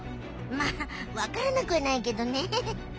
まあわからなくはないけどね。